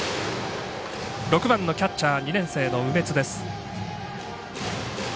６番のキャッチャー２年生の梅津です。